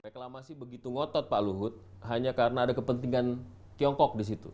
reklamasi begitu ngotot pak luhut hanya karena ada kepentingan tiongkok disitu